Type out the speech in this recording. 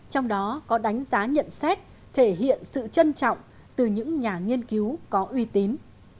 trong đó có đánh giá nhận xét thể hiện sự trân trọng từ những nhà nghiên cứu có uy tín